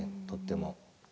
とっても。